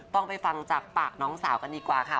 ต้องไปฟังจากปากน้องสาวกันดีกว่าค่ะ